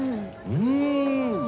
うん。